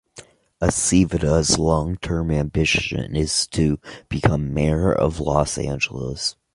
Aceveda's long-term ambition is to become Mayor of Los Angeles.